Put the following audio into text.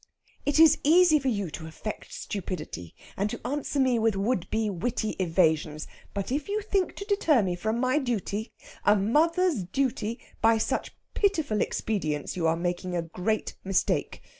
"It is easy for you to affect stupidity, and to answer me with would be witty evasions. But if you think to deter me from my duty a mother's duty by such pitiful expedients you are making a great mistake.